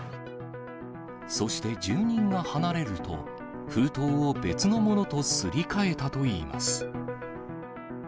そして住人が離れると、封筒を別のものとすり替えたといいます。